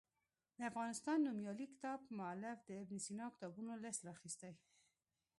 د افغانستان نومیالي کتاب مولف د ابن سینا کتابونو لست راخیستی.